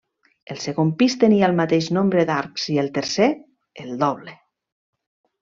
El segon pis tenia el mateix nombre d'arcs i el tercer, el doble.